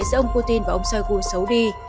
giữa ông putin và ông shoigu xấu đi